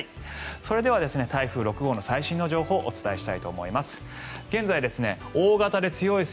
それでは台風６号の最新の情報をお伝えしたいと思います。